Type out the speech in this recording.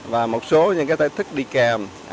và một số những cái thách thức đi kèm